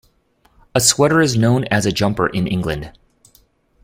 A sweater is known as a jumper in England.